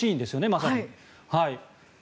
まさに。